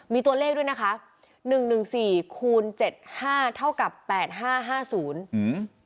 มีตัวเลขด้วยนะคะหนึ่งหนึ่งสี่คูณเจ็ดห้าเท่ากับแปดห้าห้าศูนย์อืม